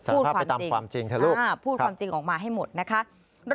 สารภาพไปตามความจริงเถอะลูกค่ะพูดความจริงออกมาให้หมดนะคะสารภาพไปตามความจริงเถอะลูก